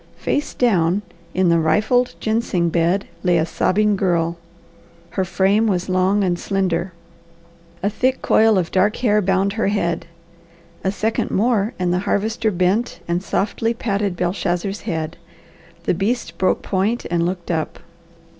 Face down in the rifled ginseng bed lay a sobbing girl. Her frame was long and slender, a thick coil of dark hair; bound her head. A second more and the Harvester bent and softly patted Belshazzar's head. The beast broke point and looked up.